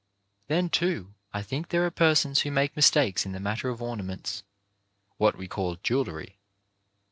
Then, too, I think there are persons who make mistakes in the matter of ornaments — what we call jewellery.